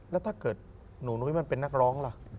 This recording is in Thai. แล้วถ้าเกิดหนูนุ้ยมันเป็นนักร้องล่ะ